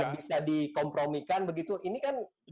bisa dikompromikan begitu ini kan